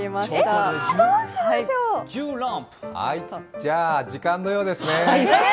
じゃあ時間のようですね。